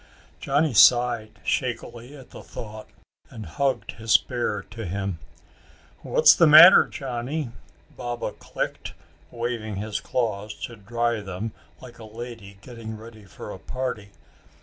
Johnny sighed shakily at the thought and hugged his bear to him. "What's the matter, Johnny?" Baba clicked, waving his claws to dry them, like a lady getting ready for a party.